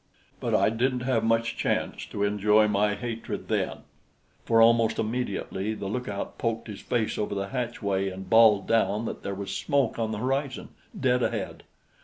But I didn't have much chance to enjoy my hatred then, for almost immediately the lookout poked his face over the hatchway and bawled down that there was smoke on the horizon, dead ahead.